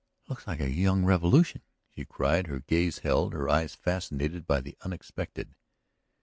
"It looks like a young revolution!" she cried, her gaze held, her eyes fascinated by the unexpected.